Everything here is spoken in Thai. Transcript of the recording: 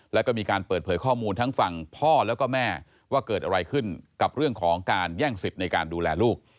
แล้วก็มีการเปิดเผยข้อมูลทั้งฝั่งพ่อแล้วก็แม่ว่าเกิดอะไรขึ้นกับเรื่องของการแย่งสิทธิ์ในการดูแลลูก